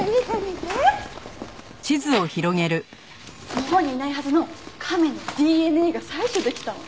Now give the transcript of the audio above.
日本にいないはずの亀のＤＮＡが採取できたの。